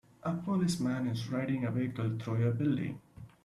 A policeman is riding a vehicle through a building.